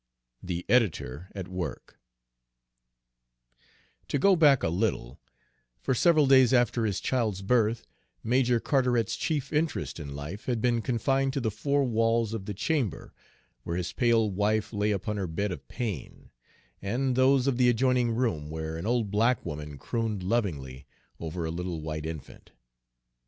III THE EDITOR AT WORK To go back a little, for several days after his child's birth Major Carteret's chief interest in life had been confined to the four walls of the chamber where his pale wife lay upon her bed of pain, and those of the adjoining room where an old black woman crooned lovingly over a little white infant.